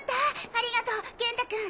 ありがとう元太君！